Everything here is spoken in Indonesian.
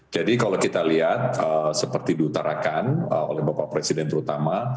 jadi kalau kita lihat seperti diutarakan oleh bapak presiden terutama